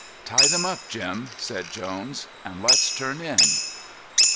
"Tie them up, Jim," said Jones, "and let's turn in."